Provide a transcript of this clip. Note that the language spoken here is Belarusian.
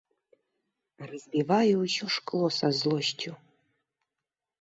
Разбіваю ўсё шкло са злосцю.